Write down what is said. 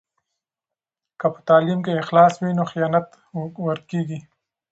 که په تعلیم کې اخلاص وي نو خیانت ورکېږي.